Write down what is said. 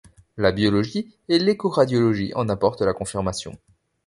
La biologie et l'écho-radiologie en apportent la confirmation.